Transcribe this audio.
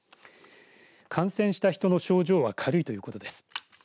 感染した人の症状は軽いということです。